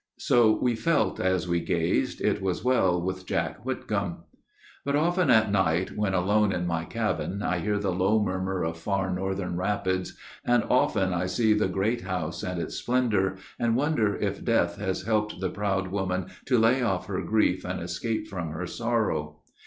So we felt, as we gazed, it was well with Jack Whitcomb. But often at night, when alone in my cabin, I hear the low murmur of far northern rapids. And often I see the great house and its splendor, And wonder if death has helped the proud woman To lay off her grief and escape from her sorrow.